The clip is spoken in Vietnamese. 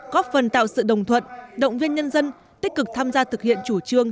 góp phần tạo sự đồng thuận động viên nhân dân tích cực tham gia thực hiện chủ trương